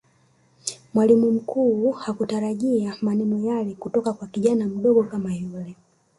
mwalimu mkuu hakutarajia maneno yale kutoka kwa kijana mdogo kama yule